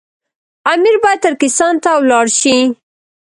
امیر باید ترکستان ته ولاړ شي.